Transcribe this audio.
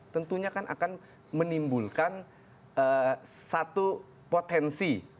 tentunya akan menimbulkan satu potensi